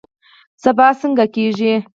سبا څنګه کیږي؟